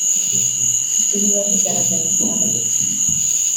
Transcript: Ibi babigaragarije Abadepite